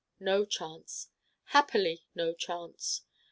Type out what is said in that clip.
No chance. Happily no chance.